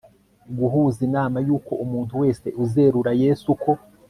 guhuza inama yuko umuntu wese uzerura Yesu ko